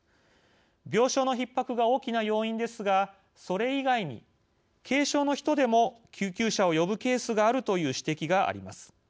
病床のひっ迫が大きな要因ですがそれ以外に、軽症の人でも救急車を呼ぶケースがあるという指摘があります。